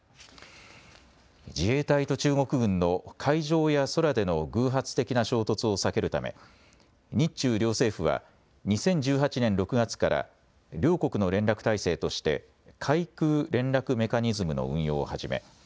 自衛隊と中国軍の海上や空での偶発的な衝突を避けるため日中両政府は２０１８年６月から両国の連絡体制として海空連絡メカニズムの運用を始め